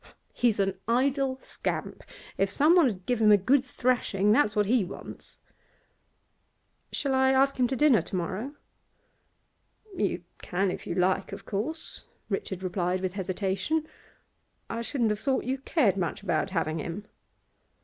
'He's an idle scamp! If some one 'ud give him a good thrashing, that's what he wants.' 'Shall I ask him to dinner to morrow?' 'You can if you like, of course,' Richard replied with hesitation. 'I shouldn't have thought you cared much about having him.